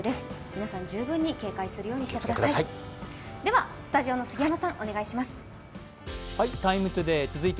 皆さん十分に警戒するようにしてください。